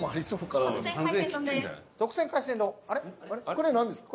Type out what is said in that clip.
これ何ですか？